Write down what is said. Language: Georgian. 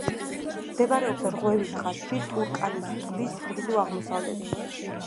მდებარეობს რღვევის ხაზში, ტურკანის ტბის ჩრდილო-აღმოსავლეთით.